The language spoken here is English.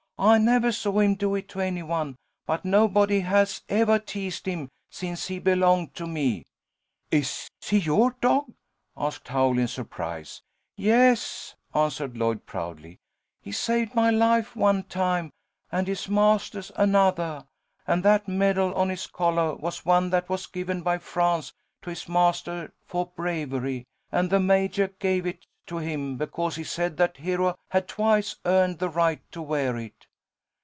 I nevah saw him do it to any one, but nobody has evah teased him since he belonged to me." "Is he your dog?" asked Howl, in surprise. "Yes," answered Lloyd, proudly. "He saved my life one time, and his mastah's anothah. And that medal on his collah was one that was given by France to his mastah fo' bravery, and the Majah gave it to him because he said that Hero had twice earned the right to wear it."